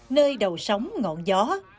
nơi đầu sống ngọn gió